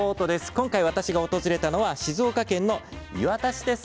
今回私が訪れたのは静岡県の磐田市です。